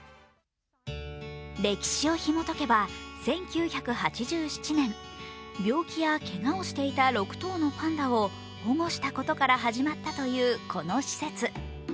歴史をひもとけば、１９８７年、病気やけがをしていた６頭のパンダを保護したことから始まったというこの施設。